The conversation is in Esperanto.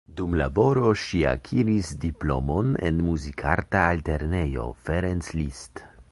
Dum laboro ŝi akiris diplomon en Muzikarta Altlernejo Ferenc Liszt.